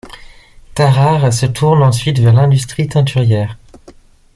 Tarare se tourne ensuite vers l'industrie teinturière.